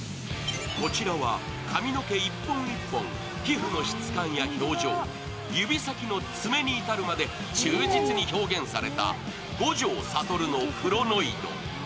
こちらは髪の毛１本１本、皮膚の質感や表情、指先の爪に至るまで忠実に表現された五条悟のクロノイド。